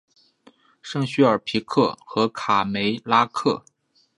圣叙尔皮克和卡梅拉克。